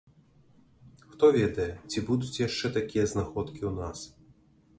Хто ведае, ці будуць яшчэ такія знаходкі ў нас?